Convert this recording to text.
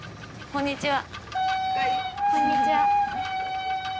こんにちは。